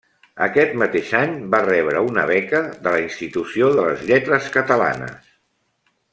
Aquest mateix any va rebre una beca de la Institució de les Lletres Catalanes.